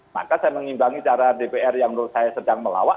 maka saya mengimbangi cara dpr yang menurut saya sedang melawak